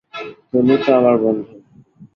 তুমি তো আমার বন্ধু।